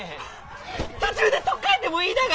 途中で取っ替えてもいいだが！